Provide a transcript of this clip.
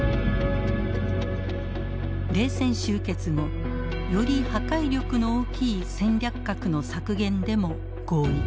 冷戦終結後より破壊力の大きい戦略核の削減でも合意。